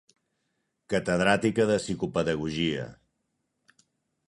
Catedràtica de Psicopedagogia.